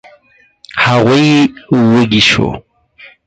هغوی وږي شوو.